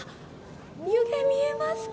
湯気、見えますか。